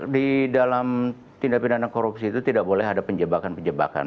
di dalam tindak pidana korupsi itu tidak boleh ada penjebakan penjebakan